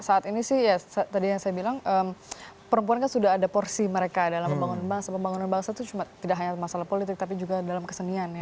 saat ini sih ya tadi yang saya bilang perempuan kan sudah ada porsi mereka dalam pembangunan bangsa pembangunan bangsa itu tidak hanya masalah politik tapi juga dalam kesenian ya